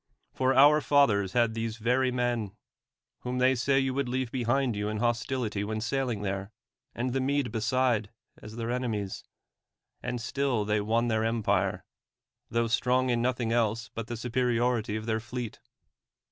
For our fathers had these \'cry men, whom they say you would leave behind 3'ou in hostility when sailing there, and the ]\Iede beside, as their enemies ; and still they won their empire ; tho strong in nothing else but the superiority of their fleet.